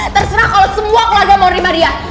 terserah kalau semua keluarga mau nerima dia